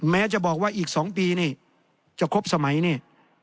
แม้จะบอกว่าอีก๒ปีนี่จะครบสมัยนี่